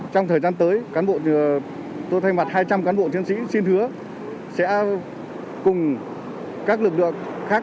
trong thời gian tới cán bộ tôi thay mặt hai trăm linh cán bộ chiến sĩ xin hứa sẽ cùng các lực lượng khác